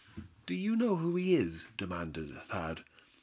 "Do you know who he is?" demanded Thad.